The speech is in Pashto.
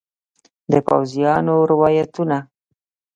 د پوځیانو روایتونه